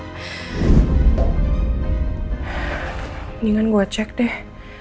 mendingan gue cek deh